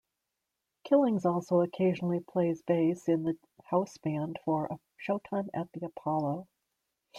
Killings also occasionally plays bass in the house band for Showtime at the Apollo.